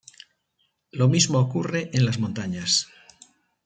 Lo mismo ocurre en las montañas.